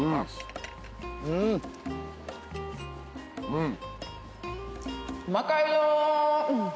うん。